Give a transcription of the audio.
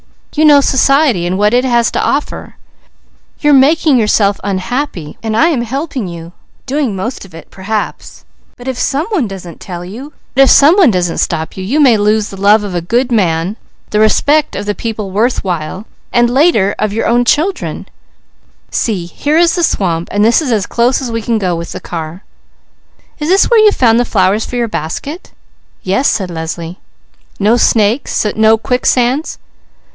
You know society and what it has to offer. You're making yourself unhappy, while I am helping you, but if some one doesn't stop you, you may lose the love of a good man, the respect of the people worth while, and later of your own children! See, here is the swamp and this is as close as we can go with the car." "Is this where you found the flowers for your basket?" "Yes," said Leslie. "No snakes, no quicksands?"